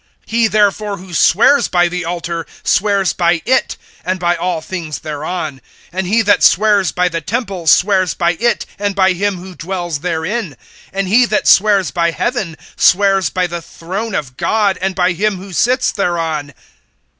(20)He therefore who swears by the altar, swears by it, and by all things thereon. (21)And he that swears by the temple, swears by it, and by him who dwells therein. (22)And he that swears by heaven, swears by the throne of God, and by him who sits thereon.